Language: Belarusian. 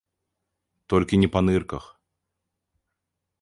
Толькі не па нырках!